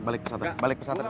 balik pesantren balik pesantren